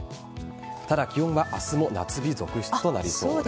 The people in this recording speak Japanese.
ただ、気温は明日も夏日続出となりそうです。